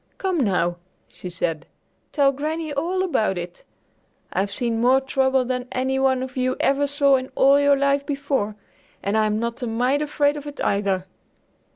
"Come, now," she said, "tell Granny all about it! I've seen more trouble than any one you ever saw in all your life before, and I'm not a mite afraid of it either."